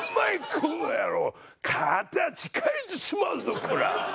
この野郎形変えてしまうぞコラ！